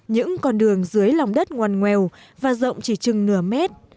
những con đường dưới lòng đất ngoan ngoèo và rộng chỉ chừng nửa mét